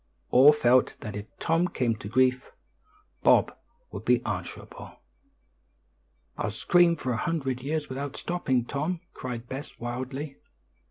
All felt that if Tom came to grief, Bob would be answerable. "I'll scream for a hundred years without stopping, Tom," cried Bess wildly.